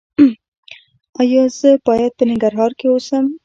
ایا زه باید په ننګرهار کې اوسم؟